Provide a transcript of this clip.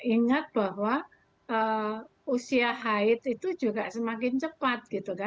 ingat bahwa usia haid itu juga semakin cepat